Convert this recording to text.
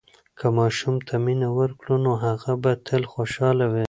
که ماشوم ته مینه ورکړو، نو هغه به تل خوشحاله وي.